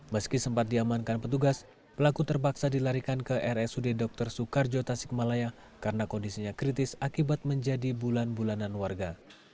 meski sempat diamankan petugas pelaku terpaksa dilarikan ke rsud dr soekarjo tasikmalaya karena kondisinya kritis akibat menjadi bulan bulanan warga